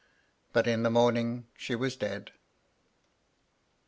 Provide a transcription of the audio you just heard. . But in the morning she was dead."